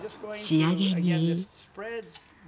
仕上げに。